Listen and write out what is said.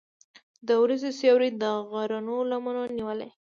د وریځو سیوری د غرونو لمن نیولې.